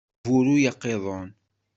Ur sburuy aqiḍun.